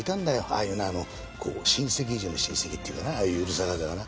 ああいうね親戚以上に親戚っていうかなああいううるさ型がな。